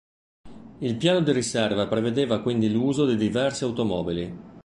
Il piano di riserva prevedeva quindi l'uso di diverse automobili.